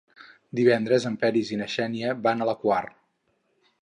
Divendres en Peris i na Xènia van a la Quar.